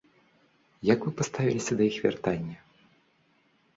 Як вы паставіліся да іх вяртання?